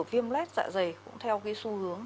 lây nhiễm lét dạ dày cũng theo cái xu hướng